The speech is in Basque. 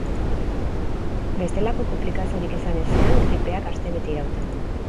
Bestelako konplikaziorik izan ezean, gripeak astebete irauten du.